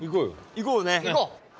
行こうね。